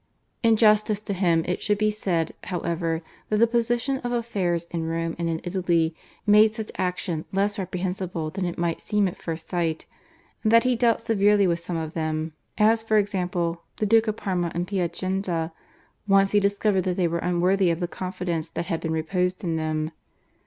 In justice to him it should be said, however, that the position of affairs in Rome and in Italy made such action less reprehensible than it might seem at first sight, and that he dealt severely with some of them, as for example, the Duke of Parma and Piacenza, once he discovered that they were unworthy of the confidence that had been reposed in them.